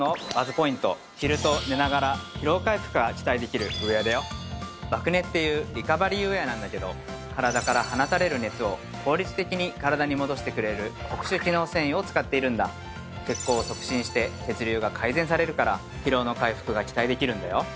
ポイント着ると寝ながら疲労回復が期待できるウェアだよＢＡＫＵＮＥっていうリカバリーウェアなんだけど体から放たれる熱を効率的に体に戻してくれる特殊機能繊維を使っているんだ血行を促進して血流が改善されるから疲労の回復が期待できるんだよ